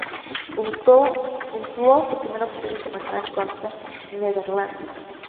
Puntuó su primer objetivo internacional contra Netherlands.